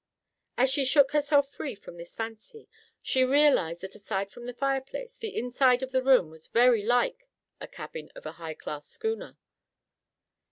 As she shook herself free from this fancy, she realized that aside from the fireplace, the inside of the room was very like a cabin of a high class schooner.